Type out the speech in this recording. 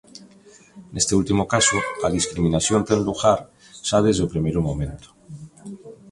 Neste último caso, a discriminación ten lugar xa desde o primeiro momento.